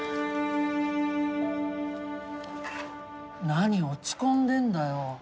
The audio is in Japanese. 何落ち込んでんだよ？